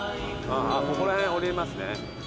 ここら辺下りれますね。